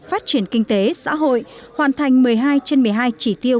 phát triển kinh tế xã hội hoàn thành một mươi hai trên một mươi hai chỉ tiêu